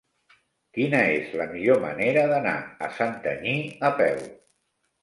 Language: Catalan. Quina és la millor manera d'anar a Santanyí a peu?